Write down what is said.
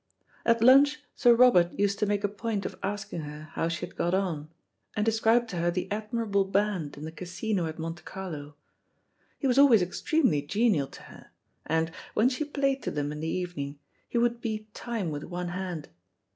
At lunch Sir Robert used to make a point of asking her how she had got on, and described to her the admirable band in the Casino at Monte Carlo. He was always extremely genial to her, and, when she played to them in the evening, he would beat time with one hand.